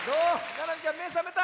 ななみちゃんめさめた？